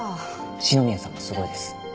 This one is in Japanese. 篠宮さんもすごいです。